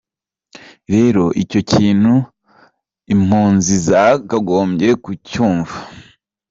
Rero icyo kintu impunzi zakagombye kucyumva.